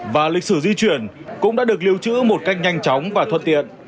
và lịch sử di chuyển cũng đã được lưu trữ một cách nhanh chóng và thuận tiện